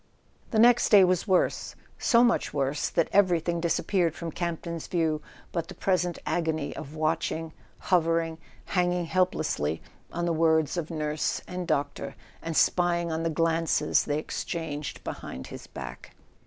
The next day was worse; so much worse that every¬ thing disappeared from Campton's view but the pres¬ ent agony of watching, hovering, hanging helplessly on the words of nurse and doctor, and spying on the glances they exchanged behind his back.